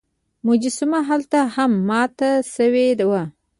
مجسمه هلته هم ماته شوې وه.